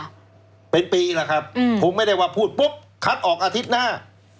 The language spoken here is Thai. ก็เป็นปีแล้วครับผมไม่ได้ว่าพูดปุ๊บคัดออกอาทิตย์หน้า